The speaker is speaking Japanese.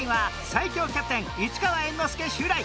最強キャプテン市川猿之助襲来！